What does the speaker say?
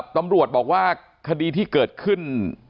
ตำรวจบอกว่าคดีที่เกิดขึ้น